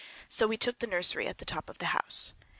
So we took the nursery, at the top of the house.